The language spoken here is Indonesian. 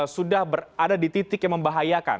sudah berada di titik yang membahayakan